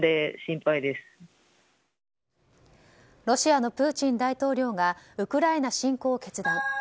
ロシアのプーチン大統領がウクライナ侵攻を決断。